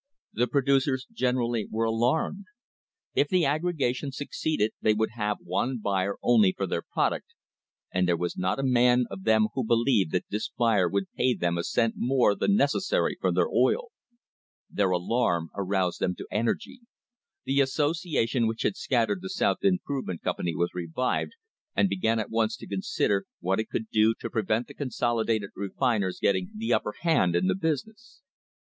The producers generally were alarmed. If the aggregation succeeded they would have one buyer only for their product, and there was not a man of them who believed that this buyer would ever pay them a v cent more than, necessary for their oil. Their alarm aroused them to energy. The association which had scattered the South Improvement Company was revived, and began at once to consider what it could do to prevent the consolidated refiners getting the upper hand in the business.